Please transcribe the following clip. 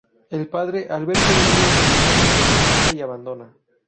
El padre, al ver que el niño es albino, lo rechaza y abandona.